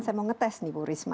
saya mau ngetes nih bu risma